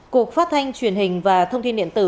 cục phát thanh truyền hình và thông tin điện tử yêu cầu